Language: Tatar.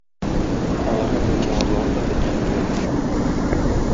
Аларның мемуарлары да дөнья күргән иде.